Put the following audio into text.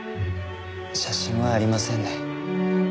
写真はありませんね。